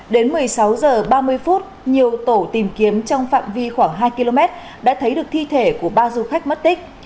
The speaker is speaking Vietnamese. đến một mươi sáu h ba mươi nhiều tổ tìm kiếm trong phạm vi khoảng hai km đã thấy được thi thể của ba du khách mất tích